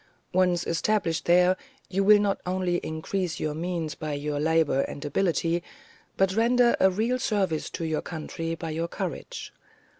Once established there, you will not only increase your means by your labour and ability, but render a real service to your country by your courage.